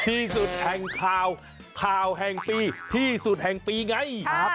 ที่สุดแห่งข่าวข่าวแห่งปีที่สุดแห่งปีไง